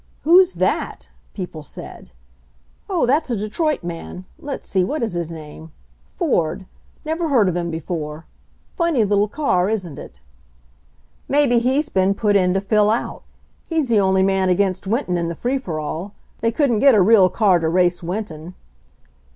Who's that?" people said. f Oh, that's a Detroit man — let's see, what is his name? Ford — never heard of him before. Funny little car, isn't it?" "Maybe he's been put in to fill out. He's the only man against Winton in the free for all. They couldn't get a real car to race Winton."